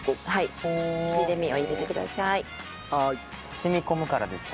染み込むからですか？